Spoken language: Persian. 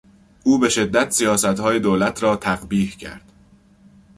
او به شدت سیاستهای دولت را تقبیح کرد.